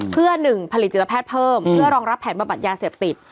เพื่อ๑ผลิตแพทย์เพิ่มเพื่อรองรับแผนบำบัดยาเสพติด